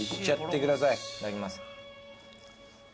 いただきます。